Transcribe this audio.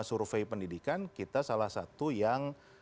survei pendidikan kita salah satu yang